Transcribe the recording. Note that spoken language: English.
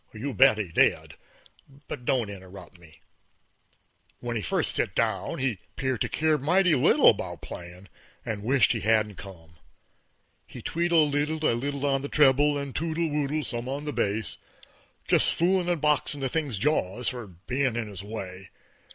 _ You bet he did; but don't interrupt me. When he first sit down he 'peared to keer mighty little 'bout playin' and wisht he hadn't come. He tweedle leedled a little on a treble, and twoodle oodled some on the base, just foolin' and boxin' the thing's jaws for bein' in his way.